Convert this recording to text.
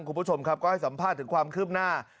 คุณผู้ชมครับก็ให้สัมภาษณ์ถึงความคืบหน้า